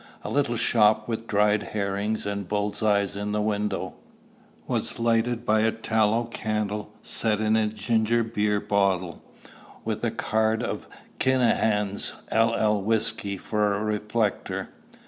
A little shop, with dried herrings and bull's eyes in the window, was lighted by a tallow candle set in a ginger beer bottle, with a card of "Kinahan's LL Whiskey" for a reflector.